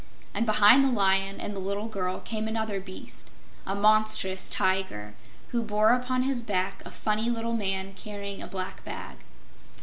And behind the Lion and the little girl came another beast a monstrous Tiger, who bore upon his back a funny little man carrying a black bag.